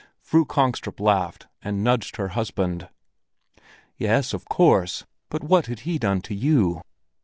Fru Kongstrup laughed and nudged her husband. "Yes, of course. But what had he done to you?"